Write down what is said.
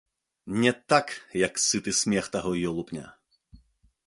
Не так, як сыты смех таго ёлупня.